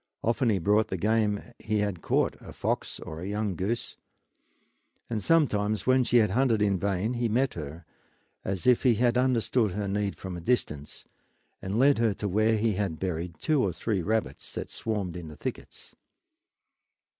Often he brought the game he had caught, a fox or a young goose; and sometimes when she had hunted in vain he met her, as if he had understood her need from a distance, and led her to where he had buried two or three of the rabbits that swarmed in the thickets.